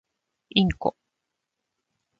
インコ